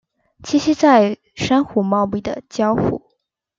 栖息在珊瑚茂密的礁湖。